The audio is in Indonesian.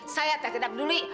saya teh tidak peduli